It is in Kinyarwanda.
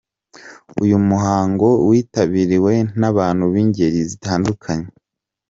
Uyu muhango witabiriwe n’abantu b’ingeri zitandukanye.